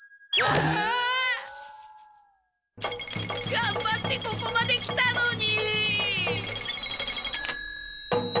がんばってここまで来たのに！